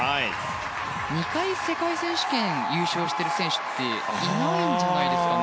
２回、世界選手権優勝している選手っていないんじゃないですかね。